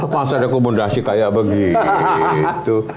masa rekomendasi kayak begitu